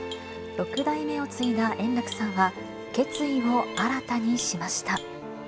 六代目を継いだ円楽さんは決意を新たにしました。